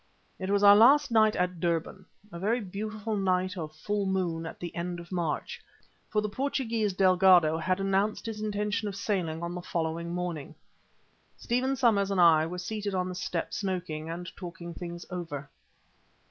It was our last night at Durban, a very beautiful night of full moon at the end of March, for the Portugee Delgado had announced his intention of sailing on the following afternoon. Stephen Somers and I were seated on the stoep smoking and talking things over.